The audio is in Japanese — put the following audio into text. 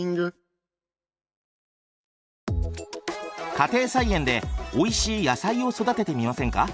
家庭菜園でおいしい野菜を育ててみませんか？